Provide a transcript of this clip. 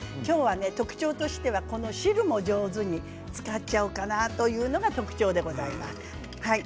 特徴としては汁も上手に使ってしまおうかなというのが特徴でございます。